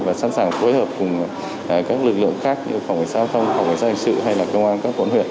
và sẵn sàng phối hợp cùng các lực lượng khác như phòng hành xã hội phòng hành xã hội hành sự hay là công an các quận huyện